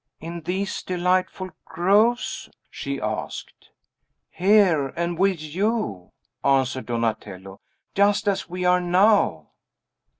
"In these delightful groves?" she asked. "Here, and with you," answered Donatello. "Just as we are now."